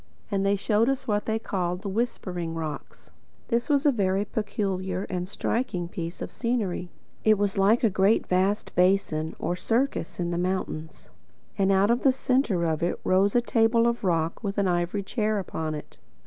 And they showed us what they called the Whispering Rocks. This was a very peculiar and striking piece of scenery. It was like a great vast basin, or circus, in the mountains, and out of the centre of it there rose a table of rock with an ivory chair upon it.